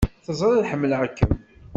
Teẓriḍ ḥemmleɣ-kem!